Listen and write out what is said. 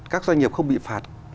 các doanh nghiệp không bị phạt